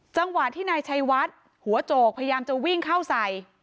จังหวะที่นายชัยวัดหัวโจกพยายามจะวิ่งเข้าใส่